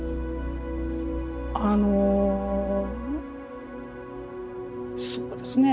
あのそうですね